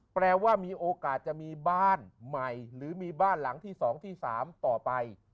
แปลว่ามีโอกาสจะมีบ้านใหม่หรือมีบ้านหลังที่๒ที่๓ต่อไป